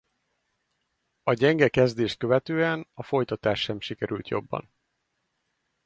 A gyenge kezdést követően a folytatás sem sikerült jobban.